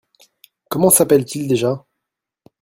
Comment s’appelle-t-il déjà ?